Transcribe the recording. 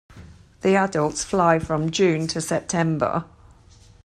The adults fly from June to September.